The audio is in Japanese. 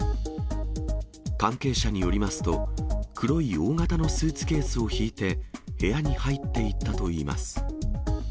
関係者によりますと、黒い大型のスーツケースを引いて、部屋に入っていったといいます。